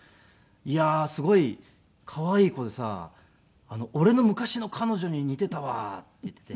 「いやーすごい可愛い子でさ俺の昔の彼女に似てたわ」って言っていて。